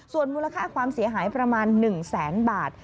ส่วนมูลค่าความเสียหายประมาณ๑แสนบาท